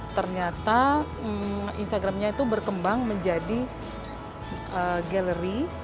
ternyata instagramnya itu berkembang menjadi galeri